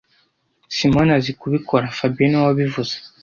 Simoni azi kubikora fabien niwe wabivuze